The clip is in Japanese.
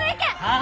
あ！